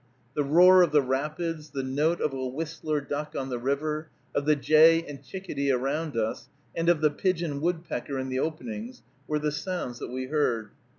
The roar of the rapids, the note of a whistler duck on the river, of the jay and chickadee around us, and of the pigeon woodpecker in the openings, were the sounds that we heard.